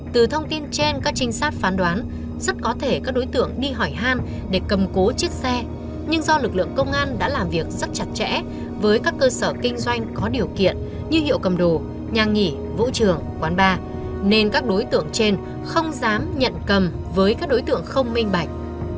từ thông tin trên các trinh sát phán đoán rất có thể các đối tượng đi hỏi han để cầm cố chiếc xe nhưng do lực lượng công an đã làm việc rất chặt chẽ với các cơ sở kinh doanh có điều kiện như hiệu cầm đồ nhà nghỉ vũ trường quán bar nên các đối tượng trên không dám nhận cầm với các đối tượng không minh bạch